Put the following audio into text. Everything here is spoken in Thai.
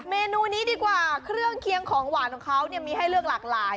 เมนูนี้ดีกว่าเครื่องเคียงของหวานของเขาเนี่ยมีให้เลือกหลากหลาย